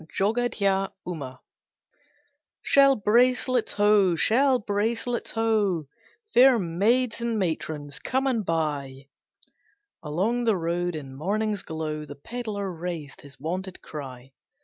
JOGADHYA UMA. "Shell bracelets ho! Shell bracelets ho! Fair maids and matrons come and buy!" Along the road, in morning's glow, The pedlar raised his wonted cry.